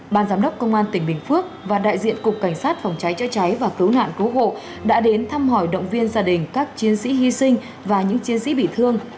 ban giám đốc công an tỉnh bình phước và đại diện cục cảnh sát phòng cháy chữa cháy và cứu nạn cứu hộ đã đến thăm hỏi động viên gia đình các chiến sĩ hy sinh và những chiến sĩ bị thương